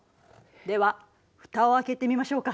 ではふたを開けてみましょうか。